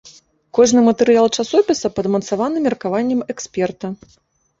Кожны матэрыял часопіса падмацаваны меркаваннем эксперта.